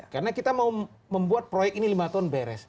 karena kita mau membuat proyek ini lima tahun beres